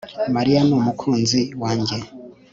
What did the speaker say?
Mariya ni umukunzi wanjye